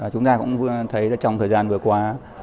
chúng ta cũng thấy trong thời gian vừa qua